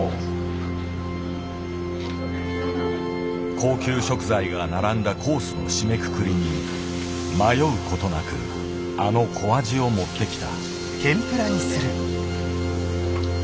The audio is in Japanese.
高級食材が並んだコースの締めくくりに迷うことなくあの小アジを持ってきた。